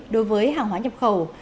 đối với hàng hóa nhập khẩu